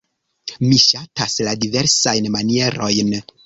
Mi ŝatas la diversajn manierojn.